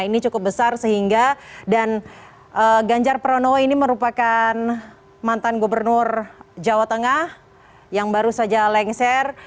ini cukup besar sehingga dan ganjar pranowo ini merupakan mantan gubernur jawa tengah yang baru saja lengser